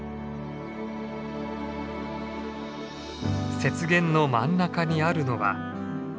雪原の真ん中にあるのは。